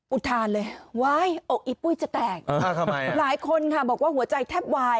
อุทานเลยว้ายอกอีปุ้ยจะแตกหลายคนค่ะบอกว่าหัวใจแทบวาย